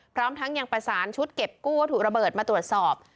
พร้อมทั้งยังประสานชุดเก็บกู้วัตถุระเบิดมาตรวจสอบ